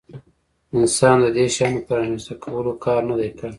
انسان د دې شیانو په رامنځته کولو کار نه دی کړی.